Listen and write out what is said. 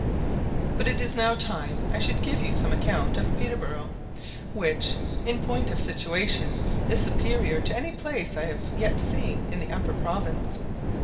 But it is now time I should give you some account of Peterborough, which, in point of situation, is superior to any place I have yet seen in the Upper Province.